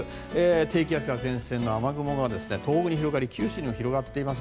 低気圧、前線の雨雲が東北に広がり九州にも広がっています。